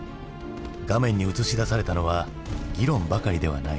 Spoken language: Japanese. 画面に映し出されたのは議論ばかりではない。